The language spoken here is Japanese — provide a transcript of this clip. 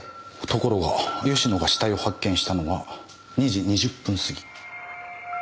ところが吉野が死体を発見したのは２時２０分過ぎ。